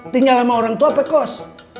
tinggal sama orang tua pekos